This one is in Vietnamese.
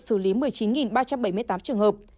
xử lý một mươi chín ba trăm bảy mươi tám trường hợp